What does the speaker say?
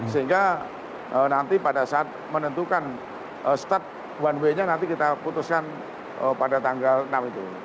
sehingga nanti pada saat menentukan start one way nya nanti kita putuskan pada tanggal enam itu